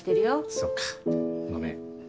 そっかごめん。